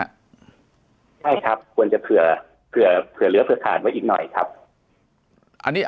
ใช่ครับควรจะเผื่อเผื่อเหลือเผื่อขาดไว้อีกหน่อยครับอันนี้